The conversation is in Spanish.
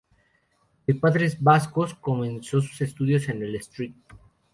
De padres vascos, comenzó sus estudios en el St.